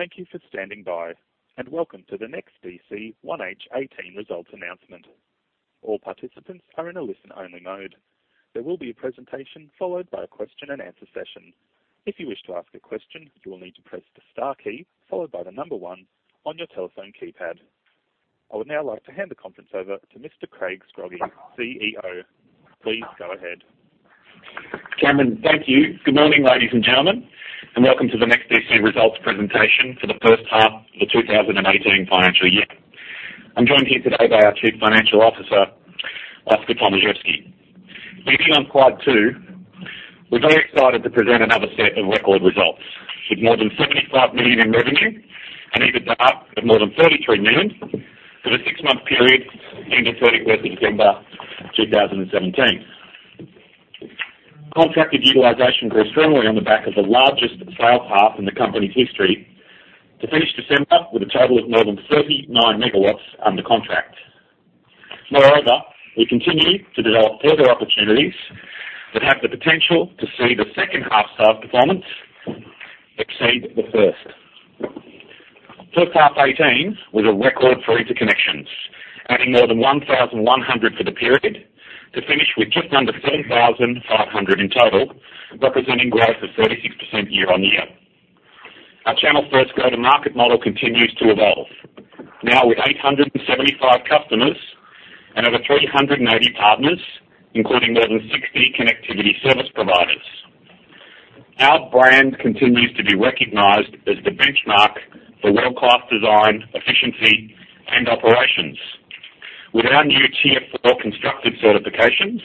Thank you for standing by, and welcome to the NEXTDC 1H18 results announcement. All participants are in a listen-only mode. There will be a presentation followed by a question and answer session. If you wish to ask a question, you will need to press the star key, followed by the number one on your telephone keypad. I would now like to hand the conference over to Mr. Craig Scroggie, CEO. Please go ahead. Cameron, thank you. Good morning, ladies and gentlemen, and welcome to the NEXTDC results presentation for the first half of the 2018 financial year. I'm joined here today by our Chief Financial Officer, Oskar Tomaszewski. Looking on slide two, we're very excited to present another set of record results. With more than 75 million in revenue and EBITDA of more than 33 million for the six-month period ending 31st of December 2017. Contracted utilization grew strongly on the back of the largest sale path in the company's history, to finish December with a total of more than 39 MW under contract. We continue to develop further opportunities that have the potential to see the second half's performance exceed the first. First half 2018 was a record for interconnections, adding more than 1,100 for the period to finish with just under 13,500 in total, representing growth of 36% year-on-year. Our channel-first go-to-market model continues to evolve, now with 875 customers and over 380 partners, including more than 60 connectivity service providers. Our brand continues to be recognized as the benchmark for world-class design, efficiency, and operations. With our new Tier IV constructed certifications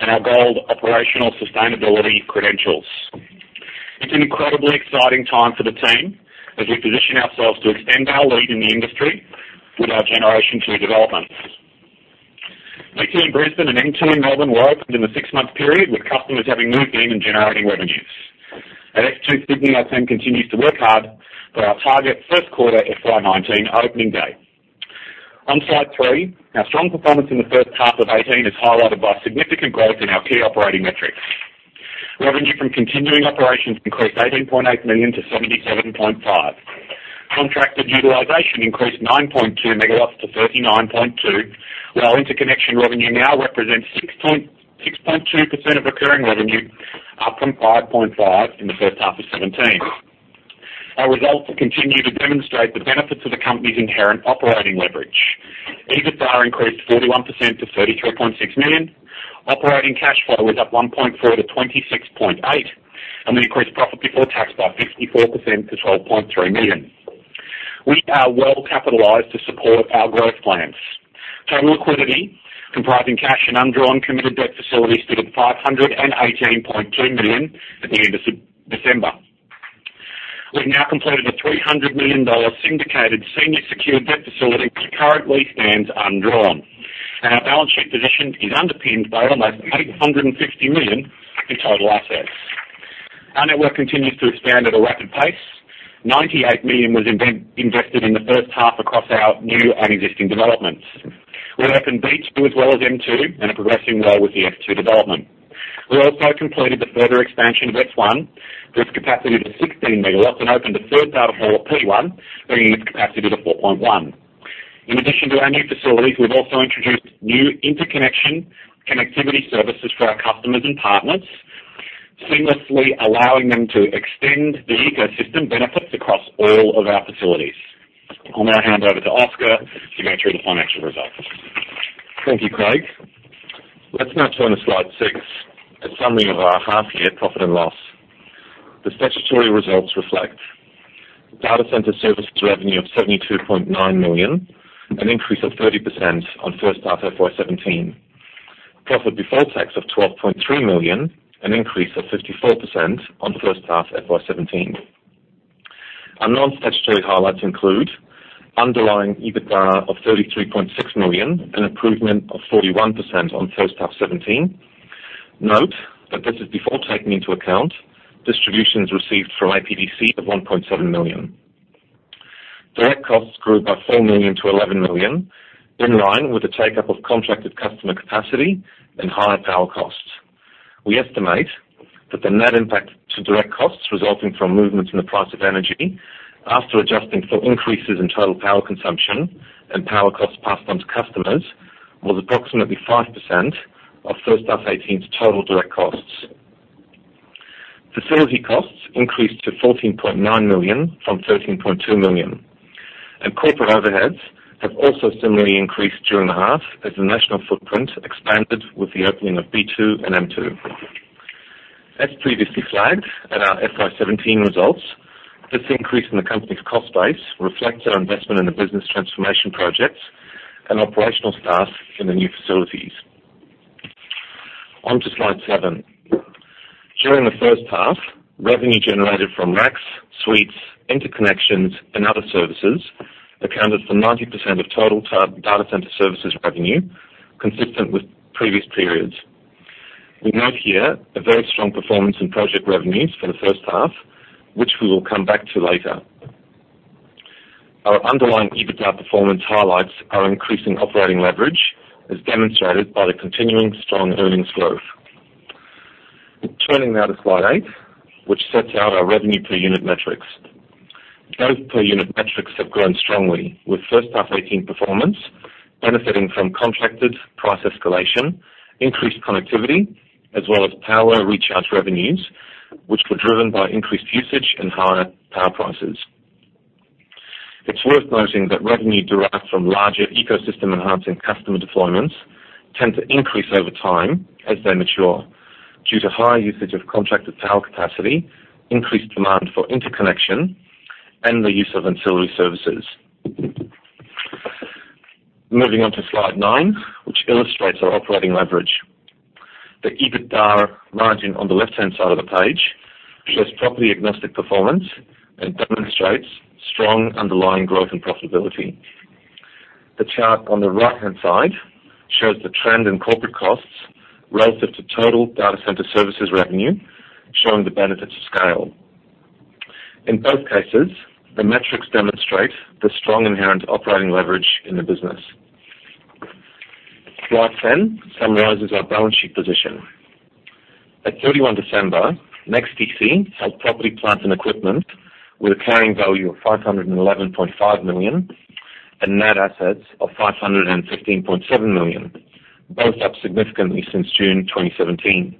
and our gold operational sustainability credentials. It's an incredibly exciting time for the team as we position ourselves to extend our lead in the industry with our generation 2 developments. B2 in Brisbane and M2 in Melbourne were opened in the six-month period, with customers having moved in and generating revenues. At S2 Sydney, our team continues to work hard for our target first quarter FY 2019 opening day. On slide three, our strong performance in the first half of 2018 is highlighted by significant growth in our key operating metrics. Revenue from continuing operations increased 18.8 million to 77.5 million. Contracted utilization increased 9.2 MW to 39.2 MW, while interconnection revenue now represents 6.2% of recurring revenue, up from 5.5% in the first half of 2017. Our results continue to demonstrate the benefits of the company's inherent operating leverage. EBITDA increased 41% to 33.6 million. Operating cash flow was up 1.4 million to 26.8 million, and we increased profit before tax by 54% to 12.3 million. We are well capitalized to support our growth plans. Total liquidity, comprising cash and undrawn committed debt facilities, stood at 518.2 million at the end of December. We've now completed a 300 million dollar syndicated senior secured debt facility, which currently stands undrawn. Our balance sheet position is underpinned by almost 850 million in total assets. Our network continues to expand at a rapid pace. 98 million was invested in the first half across our new and existing developments. We opened B2 as well as M2 and are progressing well with the S2 development. We also completed the further expansion of S1, bringing its capacity to 16 megawatts, and opened the third data hall at P1, bringing its capacity to 4.1. In addition to our new facilities, we've also introduced new interconnection connectivity services for our customers and partners, seamlessly allowing them to extend the ecosystem benefits across all of our facilities. I'll now hand over to Oskar to go through the financial results. Thank you, Craig. Let's now turn to slide six, a summary of our half year profit and loss. The statutory results reflect data center services revenue of 72.9 million, an increase of 30% on first half FY17. Profit before tax of 12.3 million, an increase of 54% on first half FY17. Our non-statutory highlights include underlying EBITDA of 33.6 million, an improvement of 41% on first half '17. Note that this is before taking into account distributions received from uncrtain of 1.7 million. Direct costs grew by 4 million to 11 million, in line with the take-up of contracted customer capacity and higher power costs. We estimate that the net impact to direct costs resulting from movements in the price of energy after adjusting for increases in total power consumption and power costs passed on to customers, was approximately 5% of first half '18's total direct costs. Facility costs increased to 14.9 million from 13.2 million. Corporate overheads have also similarly increased during the half as the national footprint expanded with the opening of B2 and M2. As previously flagged at our FY17 results, this increase in the company's cost base reflects our investment in the business transformation projects and operational staff in the new facilities. On to slide seven. During the first half, revenue generated from racks, suites, interconnections, and other services accounted for 90% of total data center services revenue, consistent with previous periods. We note here a very strong performance in project revenues for the first half, which we will come back to later. Our underlying EBITDA performance highlights our increasing operating leverage as demonstrated by the continuing strong earnings growth. Turning now to slide eight, which sets out our revenue per unit metrics. Both per unit metrics have grown strongly with first half '18 performance, benefiting from contracted price escalation, increased connectivity, as well as power recharge revenues, which were driven by increased usage and higher power prices. It's worth noting that revenue derived from larger ecosystem-enhancing customer deployments tend to increase over time as they mature due to higher usage of contracted power capacity, increased demand for interconnection, and the use of ancillary services. Moving on to slide nine, which illustrates our operating leverage. The EBITDA margin on the left-hand side of the page shows property agnostic performance and demonstrates strong underlying growth and profitability. The chart on the right-hand side shows the trend in corporate costs relative to total data center services revenue, showing the benefits of scale. In both cases, the metrics demonstrate the strong inherent operating leverage in the business. Slide 10 summarizes our balance sheet position. At 31 December, NEXTDC held property plant and equipment with a carrying value of 511.5 million and net assets of 515.7 million, both up significantly since June 2017.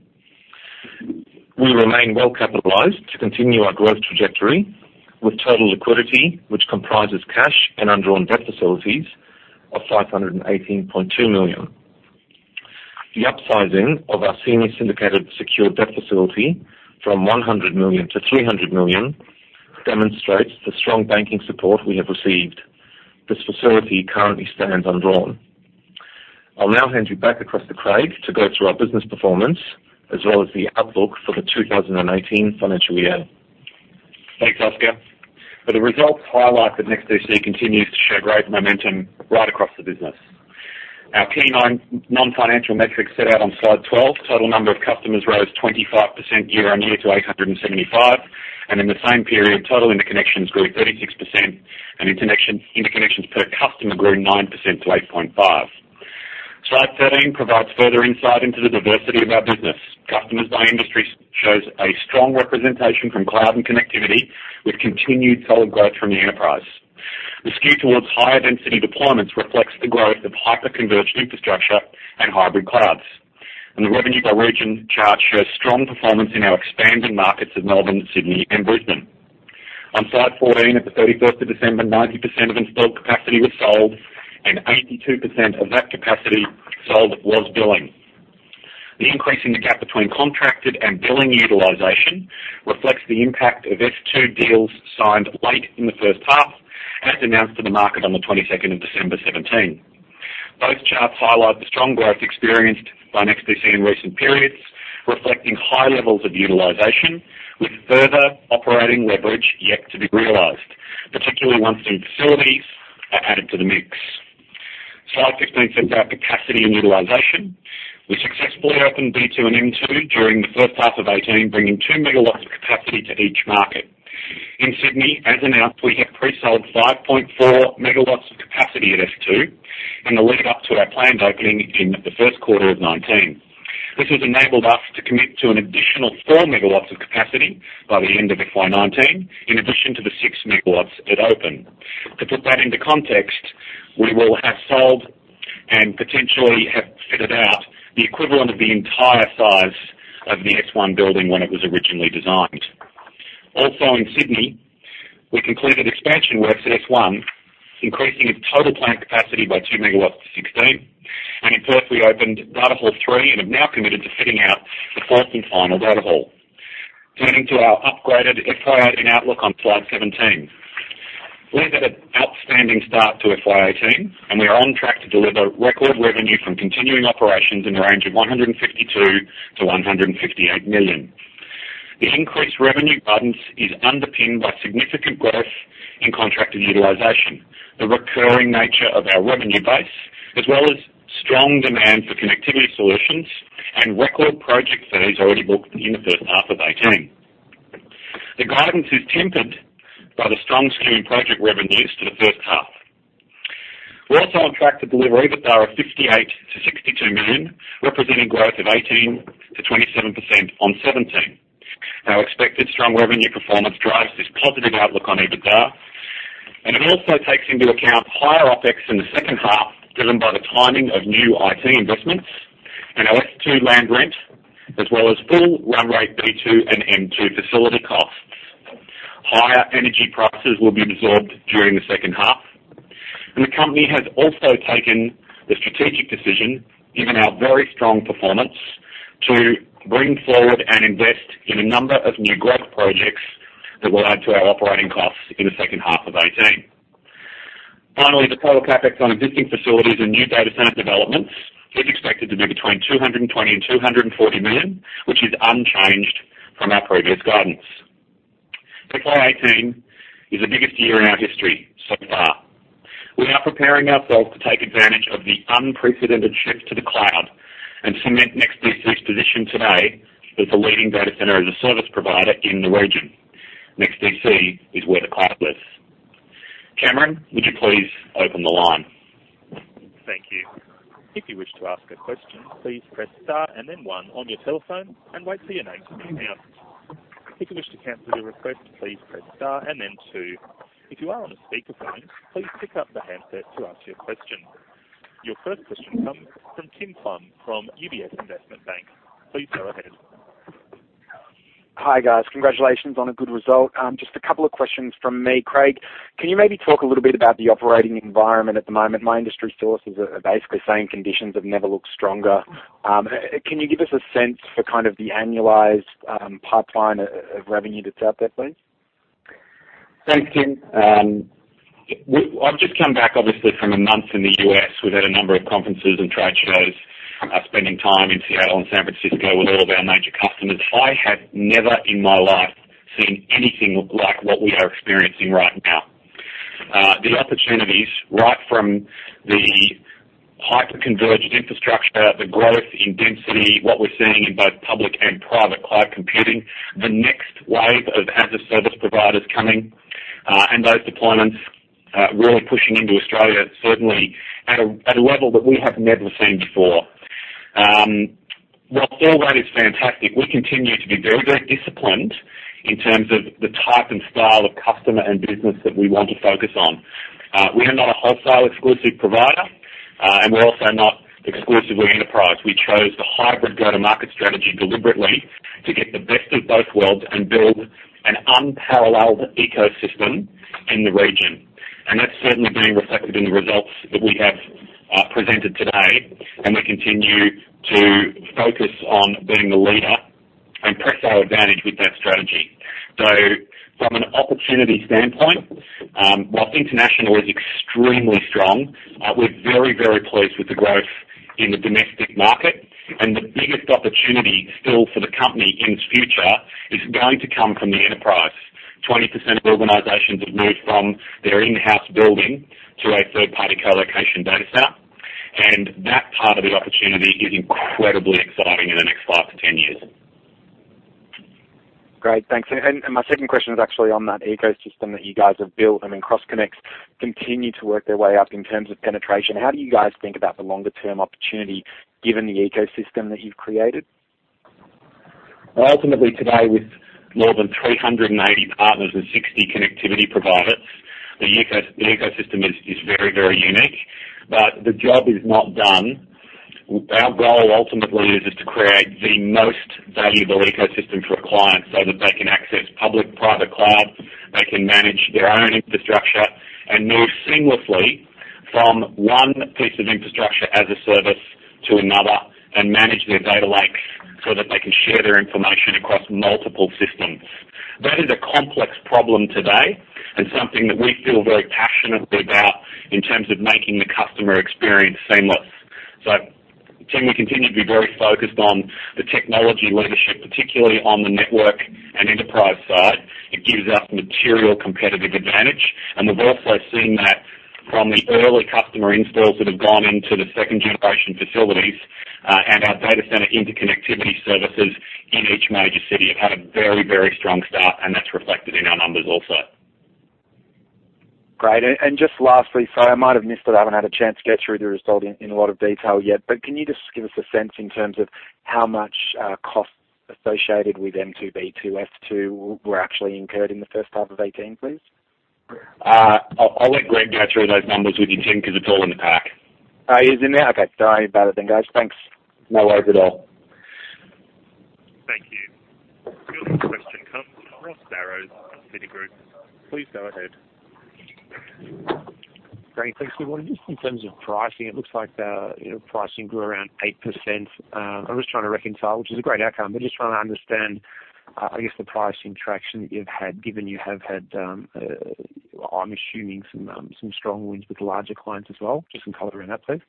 We remain well capitalized to continue our growth trajectory with total liquidity, which comprises cash and undrawn debt facilities of 518.2 million. The upsizing of our senior syndicated secured debt facility from 100 million to 300 million demonstrates the strong banking support we have received. This facility currently stands undrawn. I'll now hand you back across to Craig to go through our business performance as well as the outlook for the 2018 financial year. Thanks, Oskar. The results highlight that NEXTDC continues to show great momentum right across the business. Our key non-financial metrics set out on slide 12, total number of customers rose 25% year-on-year to 875, in the same period, total interconnections grew 36% and interconnections per customer grew 9% to 8.5. Slide 13 provides further insight into the diversity of our business. Customers by industry shows a strong representation from cloud and connectivity with continued solid growth from the enterprise. The skew towards higher density deployments reflects the growth of hyper-converged infrastructure and hybrid clouds. The revenue by region chart shows strong performance in our expanding markets of Melbourne, Sydney, and Brisbane. On slide 14, at the 31st of December, 90% of installed capacity was sold, and 82% of that capacity sold was billing. The increase in the gap between contracted and billing utilization reflects the impact of S2 deals signed late in the first half, as announced to the market on the 22nd of December 2017. Both charts highlight the strong growth experienced by NEXTDC in recent periods, reflecting high levels of utilization with further operating leverage yet to be realized, particularly once new facilities are added to the mix. Slide 15 sets out capacity and utilization. We successfully opened B2 and M2 during the first half of 2018, bringing two megawatts of capacity to each market. In Sydney, as announced, we have pre-sold 5.4 megawatts of capacity at S2 in the lead up to our planned opening in the first quarter of 2019. This has enabled us to commit to an additional four megawatts of capacity by the end of FY 2019, in addition to the six megawatts at open. To put that into context, we will have sold and potentially have fitted out the equivalent of the entire size of the S1 building when it was originally designed. Also in Sydney, we completed expansion works at S1, increasing its total plant capacity by two megawatts to 16. In Perth, we opened data hall 3 and have now committed to fitting out the fourth and final data hall. Turning to our upgraded FY 2018 outlook on slide 17. We've had an outstanding start to FY 2018. We are on track to deliver record revenue from continuing operations in the range of 152 million-158 million. The increased revenue guidance is underpinned by significant growth in contracted utilization, the recurring nature of our revenue base, as well as strong demand for connectivity solutions and record project fees already booked in the first half of 2018. The guidance is tempered by the strong skew in project revenues for the first half. We are also on track to deliver EBITDA of 58 million-62 million, representing growth of 18%-27% on FY17. Our expected strong revenue performance drives this positive outlook on EBITDA. It also takes into account higher OpEx in the second half, driven by the timing of new IT investments and our S2 land rent, as well as full run rate B2 and M2 facility costs. Higher energy prices will be absorbed during the second half. The company has also taken the strategic decision, given our very strong performance, to bring forward and invest in a number of new growth projects that will add to our operating costs in the second half of 2018. Finally, the total CapEx on existing facilities and new data center developments is expected to be between 220 million and 240 million, which is unchanged from our previous guidance. FY18 is the biggest year in our history so far. We are preparing ourselves to take advantage of the unprecedented shift to the cloud and cement NEXTDC's position today as the leading Data Centre as a Service provider in the region. NEXTDC is where the cloud lives. Cameron, would you please open the line? Thank you. If you wish to ask a question, please press star and then one on your telephone and wait for your name to be announced. If you wish to cancel your request, please press star and then two. If you are on a speakerphone, please pick up the handset to ask your question. Your first question comes from Tim Fung from UBS Investment Bank. Please go ahead. Hi, guys. Congratulations on a good result. Just a couple of questions from me. Craig, can you maybe talk a little bit about the operating environment at the moment? My industry sources are basically saying conditions have never looked stronger. Can you give us a sense for kind of the annualized pipeline of revenue that is out there, please? Thanks, Tim. I've just come back, obviously, from a month in the U.S. We've had a number of conferences and trade shows, spending time in Seattle and San Francisco with all of our major customers. I have never in my life seen anything like what we are experiencing right now. The opportunities right from the hyper-converged infrastructure, the growth in density, what we're seeing in both public and private cloud computing, the next wave of as-a-service providers coming, and those deployments really pushing into Australia, certainly at a level that we have never seen before. Whilst all that is fantastic, we continue to be very disciplined in terms of the type and style of customer and business that we want to focus on. We are not a wholesale exclusive provider, and we're also not exclusively enterprise. We chose the hybrid go-to-market strategy deliberately to get the best of both worlds and build an unparalleled ecosystem in the region. That's certainly being reflected in the results that we have presented today, and we continue to focus on being the leader and press our advantage with that strategy. From an opportunity standpoint, whilst international is extremely strong, we're very pleased with the growth in the domestic market. The biggest opportunity still for the company in the future is going to come from the enterprise. 20% of organizations have moved from their in-house building to a third-party colocation data center, and that part of the opportunity is incredibly exciting in the next five to 10 years. Great. Thanks. My second question is actually on that ecosystem that you guys have built. I mean, cross connects continue to work their way up in terms of penetration. How do you guys think about the longer-term opportunity given the ecosystem that you've created? Ultimately today, with more than 380 partners and 60 connectivity providers, the ecosystem is very unique. The job is not done. Our goal ultimately is to create the most valuable ecosystem for a client so that they can access public/private cloud, they can manage their own infrastructure and move seamlessly from one piece of infrastructure as a service to another and manage their data lakes so that they can share their information across multiple systems. That is a complex problem today and something that we feel very passionately about in terms of making the customer experience seamless. Tim, we continue to be very focused on the technology leadership, particularly on the network and enterprise side. It gives us material competitive advantage, and we've also seen that from the early customer installs that have gone into the second-generation facilities and our data center interconnectivity services in each major city have had a very strong start, and that's reflected in our numbers also. Great. Just lastly, sorry, I might have missed it. I haven't had a chance to get through the result in a lot of detail yet, but can you just give us a sense in terms of how much costs associated with M2, B2, S2 were actually incurred in 1H18, please? I'll let Greg go through those numbers with you, Tim, because it's all in the pack. Is it in there? Okay. Even better then, guys. Thanks. No worries at all. Thank you. Your next question comes from Ross Barrows at Citigroup. Please go ahead. Great. Thanks. Good morning. Just in terms of pricing, it looks like the pricing grew around 8%. I'm just trying to reconcile, which is a great outcome, but just trying to understand, I guess, the pricing traction that you've had given you have had, I'm assuming some strong wins with larger clients as well. Just some color in that, please.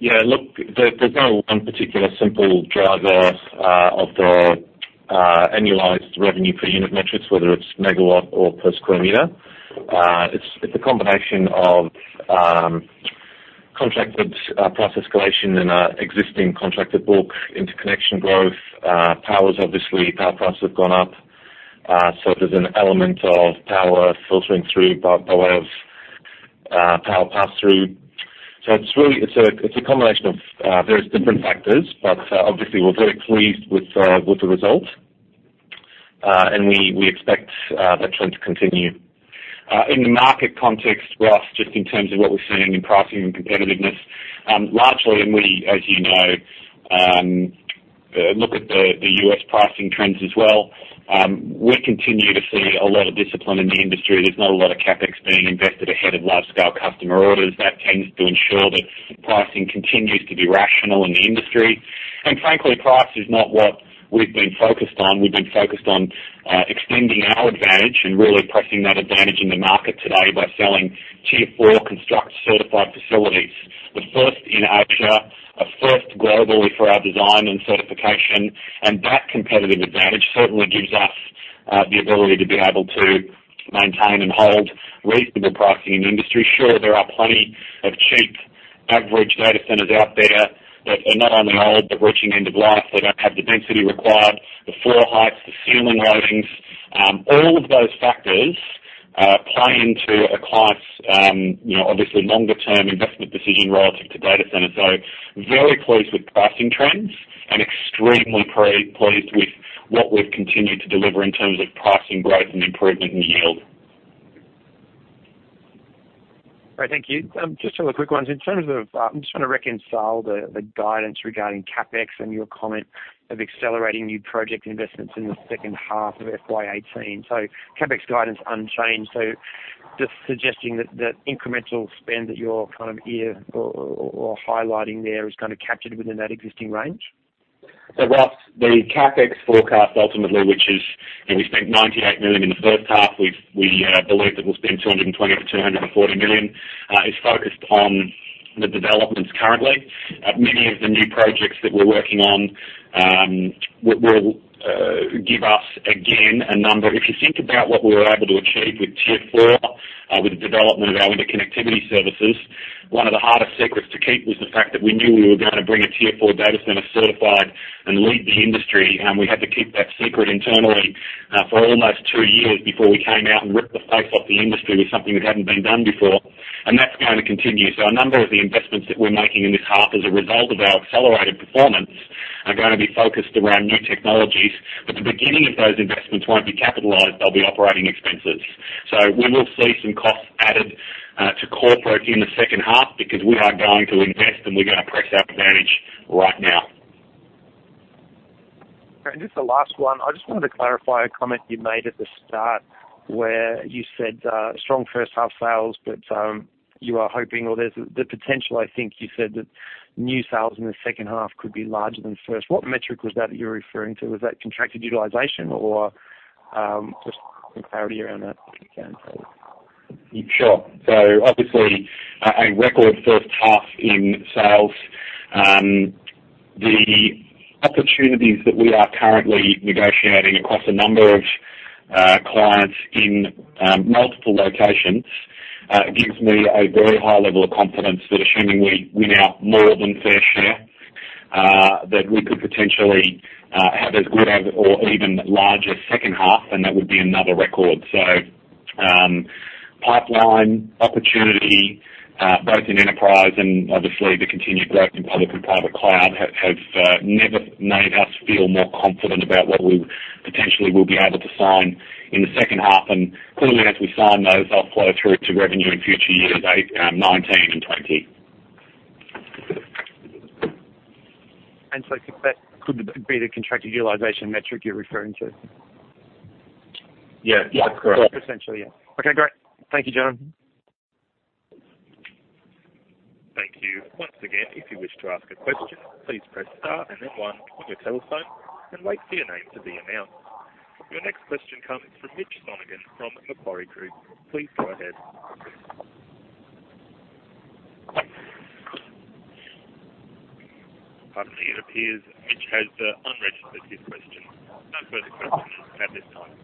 Look, there's no one particular simple driver of the annualized revenue per unit metrics, whether it's megawatt or per square meter. It's a combination of contracted price escalation in our existing contracted book, interconnection growth. Power prices have gone up, there's an element of power filtering through by way of power pass-through. It's a combination of various different factors. Obviously, we're very pleased with the result, and we expect that trend to continue. In the market context, Ross, just in terms of what we're seeing in pricing and competitiveness, largely, and we, as you know, look at the U.S. pricing trends as well. We continue to see a lot of discipline in the industry. There's not a lot of CapEx being invested ahead of large-scale customer orders. That tends to ensure that pricing continues to be rational in the industry. Frankly, price is not what we've been focused on. We've been focused on extending our advantage and really pressing that advantage in the market today by selling Tier IV construct certified facilities. The first in Asia, a first globally for our design and certification. That competitive advantage certainly gives us the ability to be able to maintain and hold reasonable pricing in the industry. Sure, there are plenty of cheap average data centers out there that are not only old, but reaching end of life. They don't have the density required, the floor heights, the ceiling loadings. All of those factors play into a client's obviously longer-term investment decision relative to data center. Very pleased with pricing trends and extremely pleased with what we've continued to deliver in terms of pricing growth and improvement in yield. Great. Thank you. Just a couple of quick ones. I'm just trying to reconcile the guidance regarding CapEx and your comment of accelerating new project investments in the second half of FY 2018. CapEx guidance unchanged, just suggesting that incremental spend that you're kind of are highlighting there is kind of captured within that existing range? Whilst the CapEx forecast ultimately, which is, we spent 98 million in the first half, we believe that we'll spend 220 million to 240 million, is focused on the developments currently. Many of the new projects that we're working on will give us again a number. If you think about what we were able to achieve with Tier IV, with the development of our interconnectivity services, one of the hardest secrets to keep was the fact that we knew we were going to bring a Tier IV data center certified and lead the industry. We had to keep that secret internally for almost two years before we came out and ripped the face off the industry with something that hadn't been done before. That's going to continue. A number of the investments that we're making in this half as a result of our accelerated performance are going to be focused around new technologies. The beginning of those investments won't be capitalized, they'll be operating expenses. We will see some costs added to corporate in the second half because we are going to invest and we're going to press our advantage right now. Just the last one. I just wanted to clarify a comment you made at the start where you said strong first half sales, you are hoping or there's the potential, I think you said that new sales in the second half could be larger than first. What metric was that that you were referring to? Was that contracted utilization or just some clarity around that, if you can. Sure. Obviously a record first half in sales. The opportunities that we are currently negotiating across a number of clients in multiple locations gives me a very high level of confidence that assuming we win out more than fair share, that we could potentially have as good as or even larger second half, that would be another record. Pipeline opportunity both in enterprise and obviously the continued growth in public and private cloud have never made us feel more confident about what we potentially will be able to sign in the second half. Clearly, as we sign those, they'll flow through to revenue in future years, 2019 and 2020. Could that be the contracted utilization metric you're referring to? Yes, that's correct. Essentially, yeah. Okay, great. Thank you, John. Thank you. Once again, if you wish to ask a question, please press star and then one on your telephone and wait for your name to be announced. Your next question comes from Mitchell Sonogan from Macquarie Group. Please go ahead. Pardon me. It appears Mitch has unregistered his question. No further questions at this time.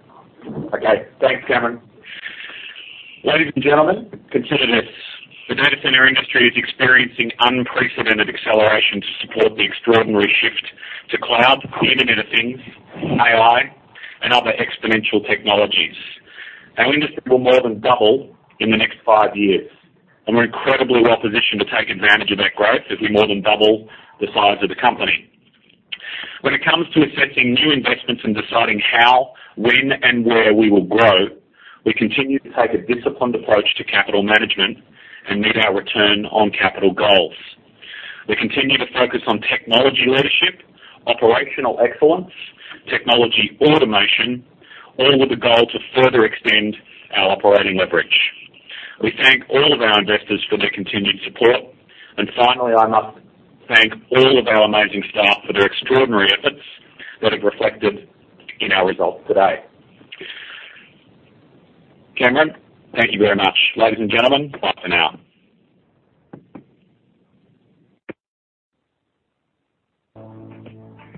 Okay, thanks, Cameron. Ladies and gentlemen, consider this. The data center industry is experiencing unprecedented acceleration to support the extraordinary shift to cloud, Internet of Things, AI, and other exponential technologies. Our industry will more than double in the next five years, and we're incredibly well-positioned to take advantage of that growth as we more than double the size of the company. When it comes to assessing new investments and deciding how, when, and where we will grow, we continue to take a disciplined approach to capital management and meet our return on capital goals. We continue to focus on technology leadership, operational excellence, technology automation, all with the goal to further extend our operating leverage. We thank all of our investors for their continued support. Finally, I must thank all of our amazing staff for their extraordinary efforts that have reflected in our results today. Cameron, thank you very much. Ladies and gentlemen, bye for now.